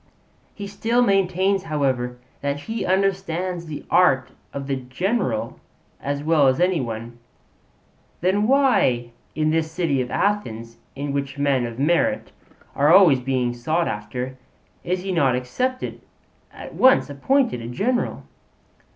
He still maintains, however, that he understands the art of the general as well as any one. 'Then why in this city of Athens, in which men of merit are always being sought after, is he not at once appointed a general?'